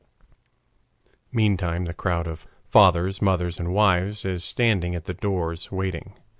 Meantime the crowd of fathers, mothers, and wives is standing at the doors waiting.